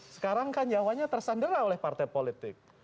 sekarang kan jawanya tersandera oleh partai politik